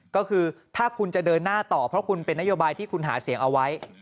ก็คือถ้าคุณจะเดินหน้าต่อเพราะคุณเป็นนโยบายที่คุณหาเสียงเอาไว้